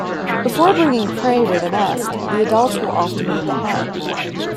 Before bringing prey to the nest, the adults will often eat the head.